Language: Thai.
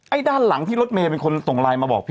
ด้านหลังที่รถเมย์เป็นคนส่งไลน์มาบอกพี่